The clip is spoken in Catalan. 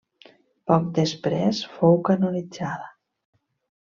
Poc després fou canonitzada.